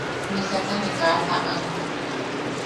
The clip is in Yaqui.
Misata ne kaa taʼan.